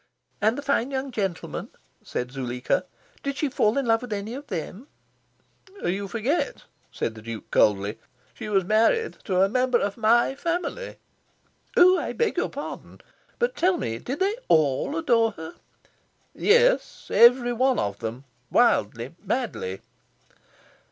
"And the fine young gentlemen," said Zuleika, "did she fall in love with any of them?" "You forget," said the Duke coldly, "she was married to a member of my family." "Oh, I beg your pardon. But tell me: did they ALL adore her?" "Yes. Every one of them, wildly, madly."